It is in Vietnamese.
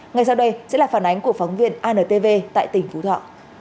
ngay sau đây sẽ là phản ánh của phóng viên antv tại tỉnh phú thọ